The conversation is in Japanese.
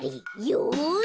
よし。